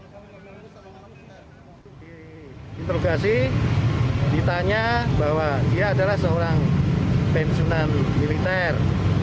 di interogasi ditanya bahwa dia adalah seorang pensunan militer